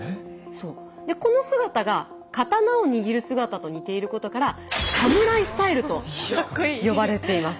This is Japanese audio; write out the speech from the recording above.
でこの姿が刀を握る姿と似ていることから「サムライスタイル」と呼ばれています。